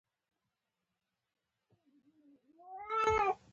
اتل به په کارونو کې بوخت وي، ځکه چې اړيکه کمه نيسي.